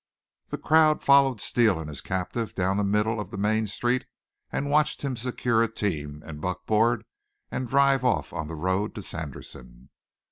The crowd followed Steele and his captive down the middle of the main street and watched him secure a team and buckboard and drive off on the road to Sanderson.